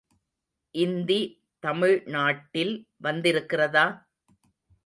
இந்தி தமிழ்நாட்டில் வந்திருக்கிறதா?